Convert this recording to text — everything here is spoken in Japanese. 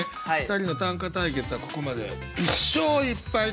２人の短歌対決はここまで１勝１敗ということで。